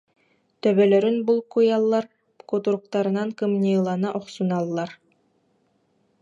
Төбөлөрүн булкуйаллар, кутуруктарынан кымньыылана охсуналлар.